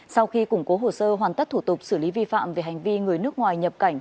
sau khi củng cố hồ sơ hoàn tất thủ tục xử lý vi phạm về hành vi người nước ngoài nhập cảnh